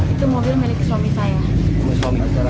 itu mobil yang miliki suami saya